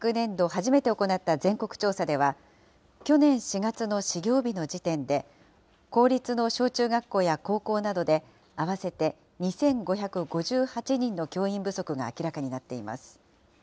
初めて行った全国調査では、去年４月の始業日の時点で、公立の小中学校や高校などで、合わせて２５５８人の教員不足が明らかになっています。